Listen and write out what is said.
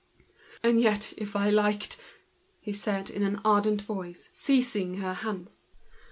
"And yet if I liked—" said he in an ardent voice, seizing her hands.